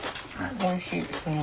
おいしい。